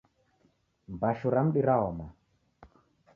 Mbashu ra mudi raoma